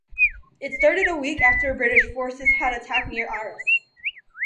It started a week after British forces had attacked near Arras.